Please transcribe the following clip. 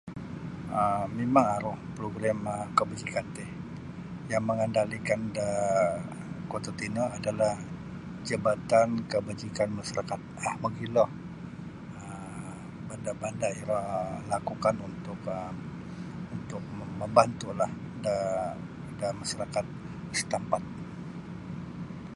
um Mimang aru progrim um kebajikan ti yang mengendalikan da kuo tatino adalah Jabatan Kebajikan Masyarakat um mogilo um benda-benda iro lakukan untuk untuk mambantulah da da masarakat setempat.